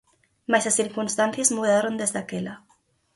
Mais as circunstancias mudaron desde aquela.